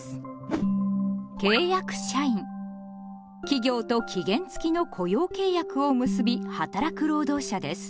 企業と期限つきの雇用契約を結び働く労働者です。